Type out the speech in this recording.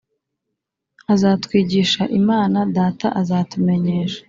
Azatwigish' Imana Data.Azatumenyesha